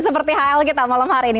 seperti hl kita malam hari ini